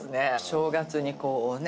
正月にこうね